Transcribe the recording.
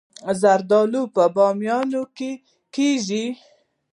زردالو په بامیان کې کیږي